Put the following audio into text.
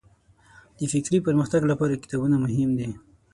د فکري پرمختګ لپاره کتابونه مهم دي.